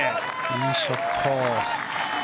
いいショット。